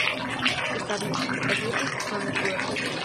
კოშკის დანარჩენი კედლები განადგურებულია.